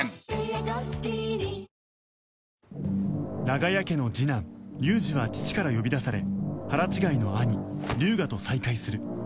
長屋家の次男龍二は父から呼び出され腹違いの兄龍河と再会する